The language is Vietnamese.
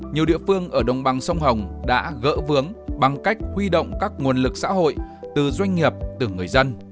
nhiều địa phương ở đồng bằng sông hồng đã gỡ vướng bằng cách huy động các nguồn lực xã hội từ doanh nghiệp từ người dân